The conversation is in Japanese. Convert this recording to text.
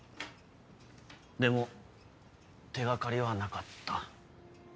でも手掛かりはなかった。